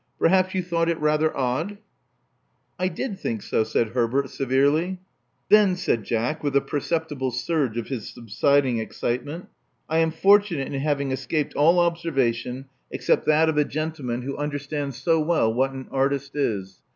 Perhaps you thought it rather odd?" I did think so," said Herbert, severely. Then," said Jack, with a perceptible surge of his subsiding excitement, I am fortunate in having escaped all observation except that of a gentleman Love Among the Artists 51 who understands so well what an artist is.